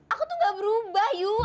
aku tuh gak berubah yuk